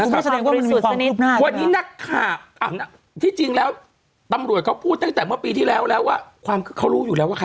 เป็นยังไงอะคุณพูดถึงความสนิทหรือเปล่าคนนี้น่ะค่ะ